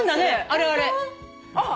あああれ？